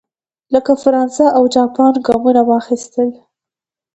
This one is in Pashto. لکه فرانسه او جاپان ګامونه واخیستل.